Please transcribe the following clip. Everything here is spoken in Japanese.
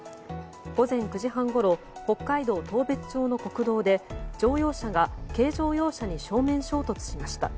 午前９時半ごろ北海道当別町の国道で乗用車が軽乗用車に正面衝突しました。